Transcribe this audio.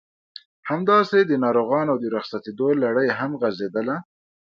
همداسې د ناروغانو د رخصتېدو لړۍ هم غزېدله.